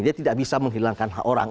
dia tidak bisa menghilangkan hak orang